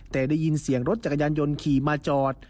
แต่ได้ยินเสียงรถจักรยานยนต์ขี่มาจอด